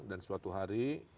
dan suatu hari